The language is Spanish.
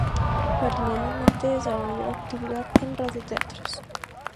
Paralelamente desarrolló actividad en radioteatros.